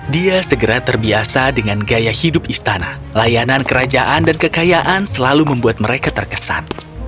dia segera terbiasa dengan gaya hidup istana layanan kerajaan dan kekayaan selalu membuat mereka terkesan